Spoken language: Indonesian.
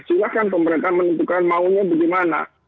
silahkan pemerintah menentukan maunya bagaimana